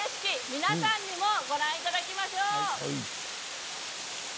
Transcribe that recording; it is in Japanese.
皆さんにもご覧いただきましょう。